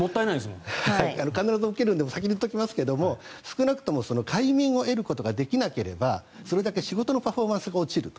先に言っておきますが快眠を得ることができなければそれだけ仕事のパフォーマンスが落ちると。